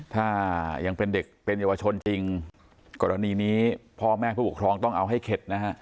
ถ้ายังเป็นเด็กเป็นเยาวชนจริงกรณีนี้พ่อแม่ผู้ปกครองต้องเอาให้เข็ดนะฮะ